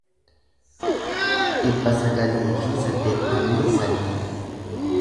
dhibba sagalii fi saddeettamii sadii